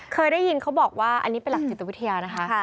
เคยได้ยินเขาบอกว่าอันนี้เป็นหลักจิตวิทยานะคะ